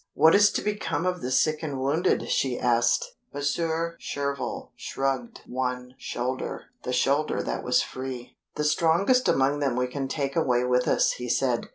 "What is to become of the sick and wounded?" she asked. Monsieur Surville shrugged one shoulder the shoulder that was free. "The strongest among them we can take away with us," he said.